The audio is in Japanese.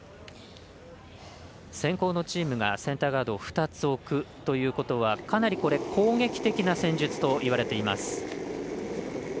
先攻のチームがセンターガードを２つ、置くということはかなり、これ、攻撃的な戦術といわれています。